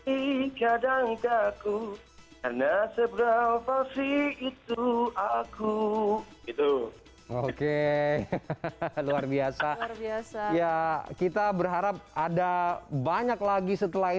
ijadang kaku karena seberapa sih itu aku itu oke luar biasa ya kita berharap ada banyak lagi setelah